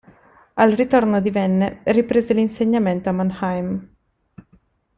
Al ritorno divenne riprese l'insegnamento a Mannheim.